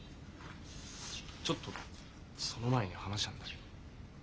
ちょっとその前に話あんだけど。